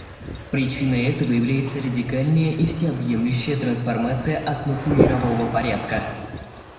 Причиной этого является радикальная и всеобъемлющая трансформация основ мирового порядка.